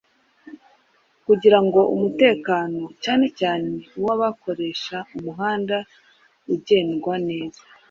kugira ngo umutekano cyane cyane uw’abakoresha umuhanda ugendwa neza